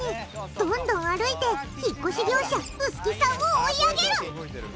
どんどん歩いて引っ越し業者臼木さんを追い上げる！